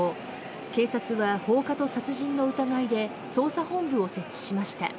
警察は放火と殺人の疑いで捜査本部を設置しました。